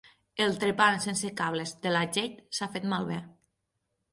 El trepant sense cables de la Jade s'ha fet malbé.